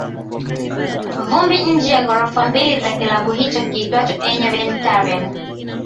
vumbi nje ya ghorofa mbili za kilabu hicho kiitwacho Enyobeni Tavern